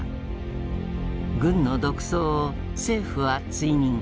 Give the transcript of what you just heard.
軍の独走を政府は追認。